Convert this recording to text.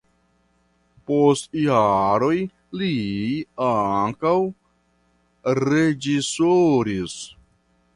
Post jaroj li ankaŭ reĝisoris.